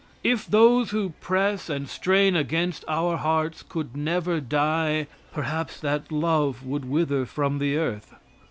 If those who press and strain against our hearts could never die, perhaps that love would wither from the earth.